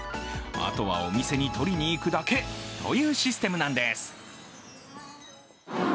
あとはお店に取りに行くだけというシステムなんです。